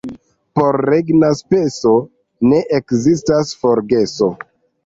Por regna speso ne ekzistas forgeso.